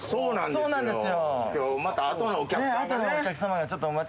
そうなんですよ。